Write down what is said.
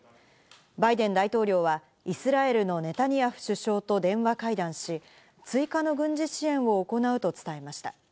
バイデン大統領はイスラエルのネタニヤフ首相と電話会談し、追加の軍事支援を行うと伝えました。